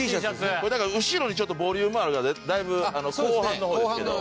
これなんか後ろにちょっとボリュームあるからだいぶ後半の方ですけど。